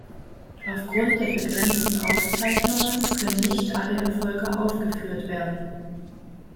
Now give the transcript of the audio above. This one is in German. Auf Grund der begrenzten Aufzeichnungen können nicht alle Erfolge aufgeführt werden.